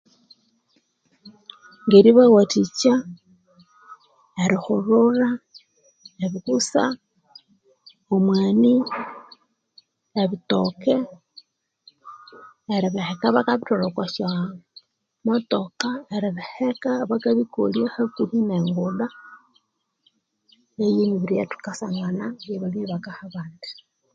Ngeri bawathikya erihulhulha abikusa, omwani, ebitooke, neribiheka bakabithwalha okwasya'motoka, eribiheka bakabikolya hakuhi ne'nguda eyo yemibiri yathukasangana ya'balimi bakaha abandi